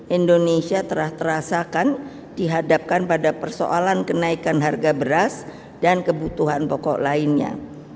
indonesia terasakan dihadapkan pada persoalan kenaikan harga beras dan kebutuhan pokok lainnya